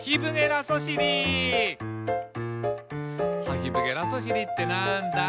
「ハヒブゲラソシリってなんだ？」